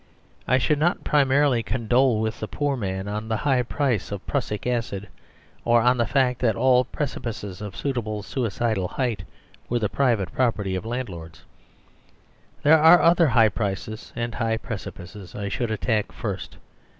I should not primarily con dole with the poor man on the high price of prussic acid; or on the fact that all precipices of suitable suicidal height were the private property of the landlords. There are other high prices and high precipices I should at tack first.